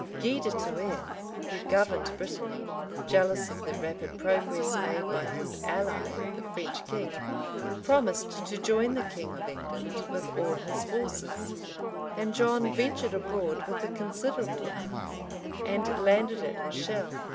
Gui de Thouars, who governed Brittany, jealous of the rapid progress made by his ally, the French king, promised to join the king of England with all his forces; and John ventured abroad with a considerable army, and landed at Rochelle.